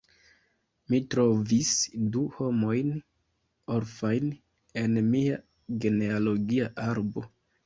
Mi trovis du homojn orfajn en mia genealogia arbo.